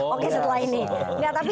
oke setelah ini